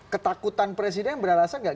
ketakutan presiden beralasan gak